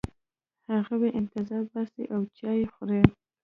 هغوی انتظار باسي او چای خوري.